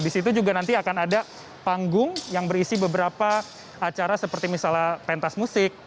di situ juga nanti akan ada panggung yang berisi beberapa acara seperti misalnya pentas musik